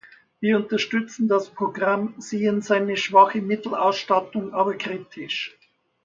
Wir unterstützen das Programm, sehen seine schwache Mittelausstattung aber kritisch.